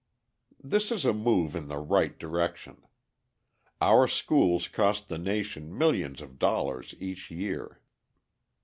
This is a move in the right direction. Our schools cost the nation millions of dollars each year.